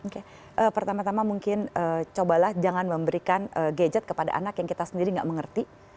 oke pertama tama mungkin cobalah jangan memberikan gadget kepada anak yang kita sendiri gak mengerti